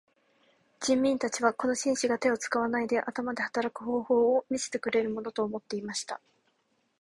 人民たちはこの紳士が手を使わないで頭で働く方法を見せてくれるものと思っていました。